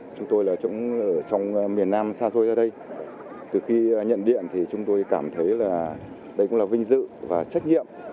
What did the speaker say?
chúng tôi ở trong miền nam xa xôi ra đây từ khi nhận điện thì chúng tôi cảm thấy đây cũng là vinh dự và trách nhiệm